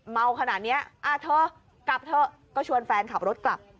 เมาขนาดนี้เธอกลับเถอะก็ชวนแฟนขับรถกลับ